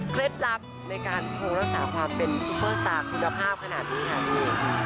ลับในการคงรักษาความเป็นซุปเปอร์สตาร์คุณภาพขนาดนี้ค่ะพี่